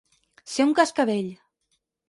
Ser un cascavell.